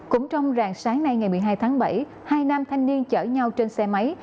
cũng trong rạng sáng nay ngày một mươi hai tháng bảy hai nam thanh niên chở nhau trên xe máy